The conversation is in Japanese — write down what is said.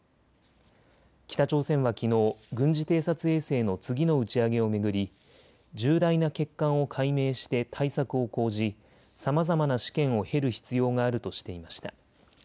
北朝鮮はきのう、軍事偵察衛星の次の打ち上げを巡り重大な欠陥を解明して対策を講じさまざまな試験を経る必要があるとしていました。